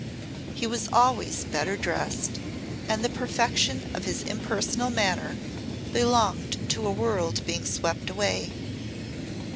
He was always better dressed and the perfection of his impersonal manner belonged to a world being swept away.